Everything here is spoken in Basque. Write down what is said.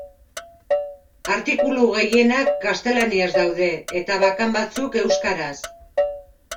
Artikulu gehienak gaztelaniaz daude eta bakan batzuk euskaraz.